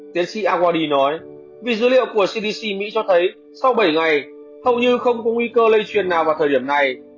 tiến sĩ awadi nói vì dữ liệu của cdc mỹ cho thấy sau bảy ngày hầu như không có nguy cơ lây truyền nào vào thời điểm này